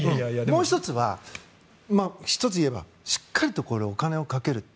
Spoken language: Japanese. もう１つは、１つ言えばしっかりとお金をかけると。